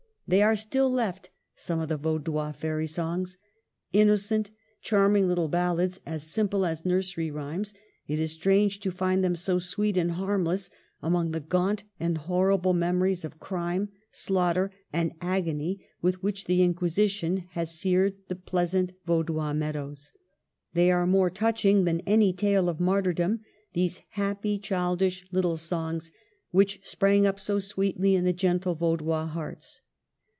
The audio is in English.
They are still left, — some of the Vaudois fairy songs. Innocent, charming little ballads, as simple as nursery rhymes, it is strange to find them, so sweet and harmless, among the gaunt and horrible memories of crime, slaugh ter, and agony, with which the Inquisition has seared the pleasant Vaudois meadows. They are more touching than any tale of martyrdom, — these happy, childish little songs, which sprang up so sweetly in the gentle Vaudois hearts.